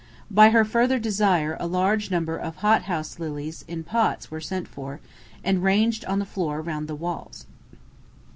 By her further desire a large number of hot house lilies in pots were sent for, and ranged on the floor round the walls.